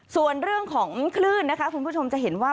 ส่วนเรื่องของคลื่นนะคะคุณผู้ชมจะเห็นว่า